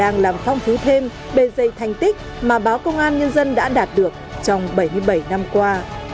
đang làm phong phú thêm bề dây thành tích mà báo công an nhân dân đã đạt được trong bảy mươi bảy năm qua